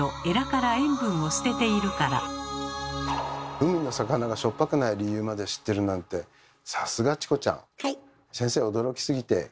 海の魚がしょっぱくない理由まで知ってるなんてさすがチコちゃん。